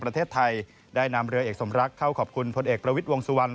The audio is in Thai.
ประเทศไทยได้นำเรือเอกสมรักเข้าขอบคุณพลเอกประวิทย์วงสุวรรณ